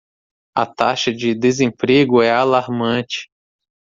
A taxa de desemprego é alarmante.